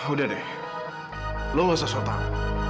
udah deh lo nggak usah sotau